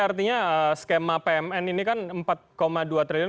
artinya skema pmn ini kan empat dua triliun